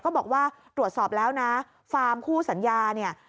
ก็บอกว่าตรวจสอบแล้วนะคู่สัญญาเนี่ย